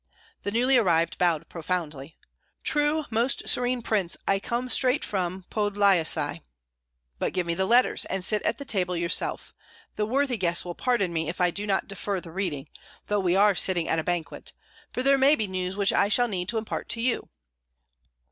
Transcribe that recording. The newly arrived bowed profoundly. "True, Most Serene Prince, I come straight from Podlyasye." "But give me the letters, and sit at the table yourself. The worthy guests will pardon me if I do not defer the reading, though we are sitting at a banquet, for there may be news which I shall need to impart to you.